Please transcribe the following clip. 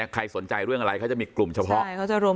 ใครสนใจเรื่องอะไรเขาจะมีกลุ่มเฉพาะ